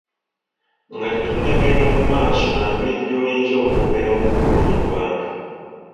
Nga tetunnagenda mu maaso na ngeri gy’oyinza okwogeramu obulungi mu bantu.